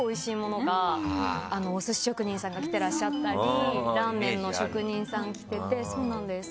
お寿司職人さんが来てらっしゃったりラーメンの職人さん来ててそうなんです。